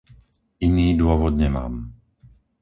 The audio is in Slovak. Iný dôvod nemám.